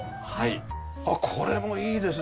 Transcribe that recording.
これもいいですね。